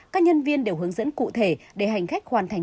các nhân viên đều hướng dẫn cụ thể để hành khách hoàn thành